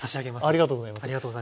ありがとうございます。